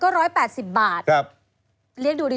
คุณนิวจดไว้หมื่นบาทต่อเดือนมีค่าเสี่ยงให้ด้วย